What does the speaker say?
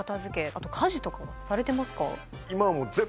あと家事とかはされてますか？